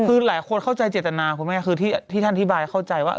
คือหลายคนเข้าใจเจตนาคุณแม่คือที่ท่านอธิบายเข้าใจว่า